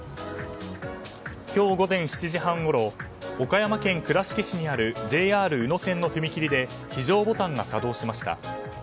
今日午前７時半ごろ岡山県倉敷市にあるＪＲ宇野線の踏切で非常ボタンが作動しました。